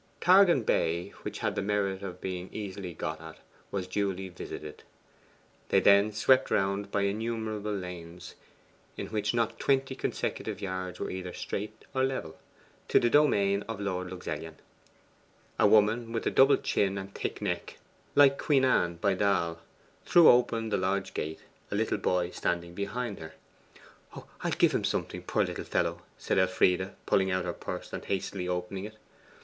Targan Bay which had the merit of being easily got at was duly visited. They then swept round by innumerable lanes, in which not twenty consecutive yards were either straight or level, to the domain of Lord Luxellian. A woman with a double chin and thick neck, like Queen Anne by Dahl, threw open the lodge gate, a little boy standing behind her. 'I'll give him something, poor little fellow,' said Elfride, pulling out her purse and hastily opening it.